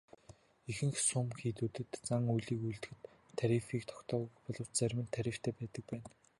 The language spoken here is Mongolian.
Ихэнх сүм хийдүүдэд зан үйлийг үйлдүүлэх тарифыг тогтоогоогүй боловч зарим нь тарифтай байдаг байна.